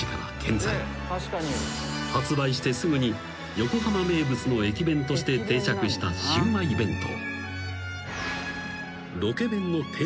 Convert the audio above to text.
［発売してすぐに横浜名物の駅弁として定着したシウマイ弁当］